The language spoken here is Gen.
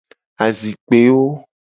Azikpewo.